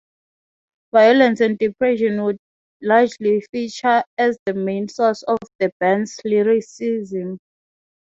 Violence and depression would largely feature as the main source of the band's lyricism.